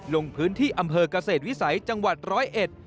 ลงพื้นที่อำเภอกเกษตรวิสัยจังหวัด๑๐๑